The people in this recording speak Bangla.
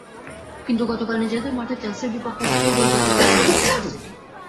কিন্তু গতকাল নিজেদের মাঠে চেলসির বিপক্ষে একটি গোলও করতে পারেনি ম্যানচেস্টার সিটি।